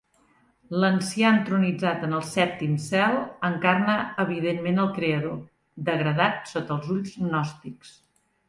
L'Ancià entronitzat en el sèptim cel encarna evidentment al Creador, degradat sota els ulls gnòstics.